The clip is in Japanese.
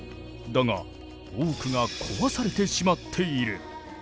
だが多くが壊されてしまっている。